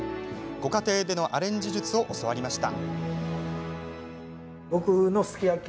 ご家庭でのアレンジ術を教わりました。